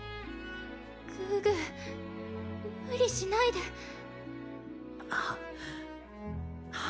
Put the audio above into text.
グーグームリしないで。は花。